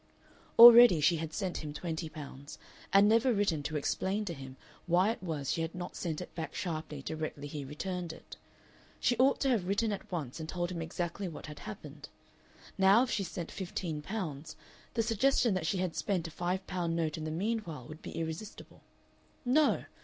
Already she had sent him twenty pounds, and never written to explain to him why it was she had not sent it back sharply directly he returned it. She ought to have written at once and told him exactly what had happened. Now if she sent fifteen pounds the suggestion that she had spent a five pound note in the meanwhile would be irresistible. No!